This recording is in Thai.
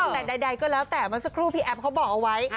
แต่ใดก็แล้วแต่เมื่อสักครู่พี่แอฟเขาบอกเอาไว้